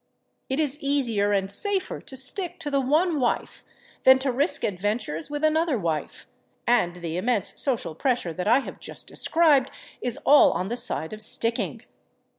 It is easier and safer to stick to the one wife than to risk adventures with another wife—and the immense social pressure that I have just described is all on the side of sticking.